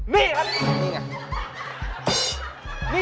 นี่ครับนี่ไง